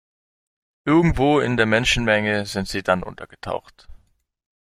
Irgendwo in der Menschenmenge sind sie dann untergetaucht.